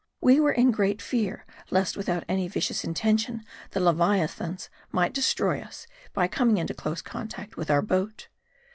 M A R D I. 147 We were in great fear, lest without any vicious inten tion the Leviathans might destroy us, by coming into close contact with our boat.